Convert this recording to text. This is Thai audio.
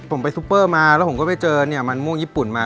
ผมไปซุปเปอร์มาแล้วผมก็ไปเจอเนี่ยมันม่วงญี่ปุ่นมา